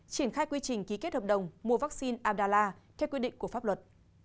triển khai quy trình ký kết hợp đồng mua vaccine adallah theo quy định của pháp luật